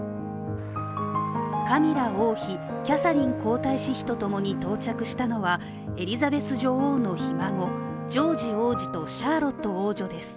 カミラ王妃、キャサリン皇太子妃とともに到着したのはエリザベス女王のひ孫ジョージ王子とシャーロット王女です。